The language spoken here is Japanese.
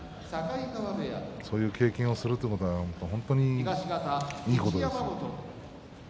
そういう経験をするということがいいことです。